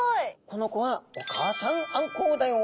この子はお母さんあんこうだよ。